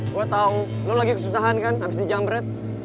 gue tau lo lagi kesusahan kan abis dijamret